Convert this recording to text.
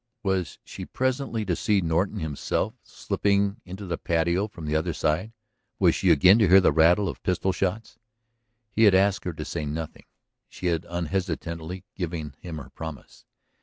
Was she presently to see Norton himself slipping into the patio from the other side, was she again to hear the rattle of pistol shots? He had asked that she say nothing; she had unhesitatingly given him her promise.